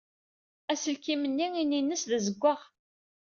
Aselkim-nni ini-nnes d azewwaɣ.